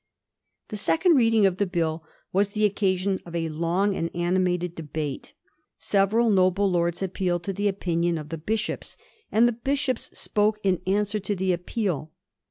The second reading of the Bill was the occasion of a long and animated debate. Several noble lords appealed to the opinion of the bishops, and the bishops spoke in answer to the appeal.